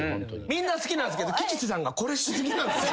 みんな好きなんですけど吉瀬さんがこれし過ぎなんですよ。